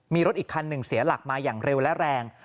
มีรถอีกคันหนึ่งเสียหลักมาอย่างเร็วและแรง